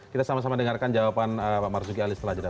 kita sama sama dengarkan jawaban pak marus giyali setelah jadinya